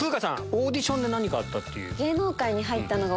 オーディションで何かあったっていう。